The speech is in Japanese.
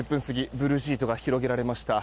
ブルーシートが広げられました。